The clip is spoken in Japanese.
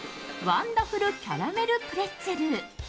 ワンダフルキャラメルプレッツェル。